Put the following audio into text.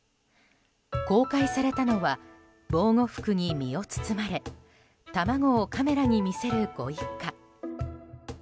公開されたのは防護服に身を包まれ卵をカメラに見せるご一家。